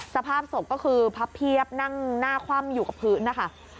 สภาพศพก็คือพับเพียบนั่งหน้าคว่ำอยู่กับพื้นนะคะ